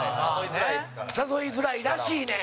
さんま：誘いづらいらしいねん。